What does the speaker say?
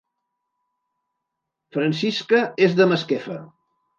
Francisca és de Masquefa